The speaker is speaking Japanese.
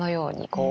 こう